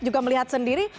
juga melihat sendiri